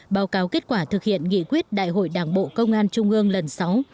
báo cáo kết quả thực hiện nghị quyết đại hội đảng bộ công an trung ương lần sáu